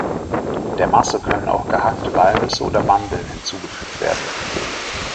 Der Masse können auch gehackte Walnüsse oder Mandeln hinzugefügt werden.